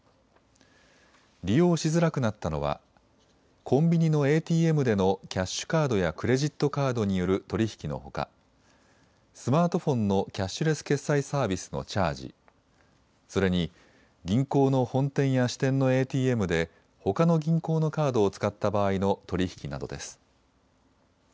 利用しづらくなったのはコンビニのＡＴＭでのキャッシュカードやクレジットカードによる取り引きのほかスマートフォンのキャッシュレス決済サービスのチャージ、それに銀行の本店や支店のＡＴＭでほかの銀行のカードを使った場合の取り引きなどです。